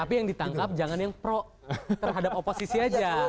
tapi yang ditangkap jangan yang pro terhadap oposisi aja